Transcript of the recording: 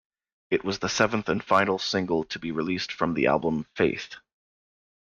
It was the seventh and final single to be released from the album "Faith".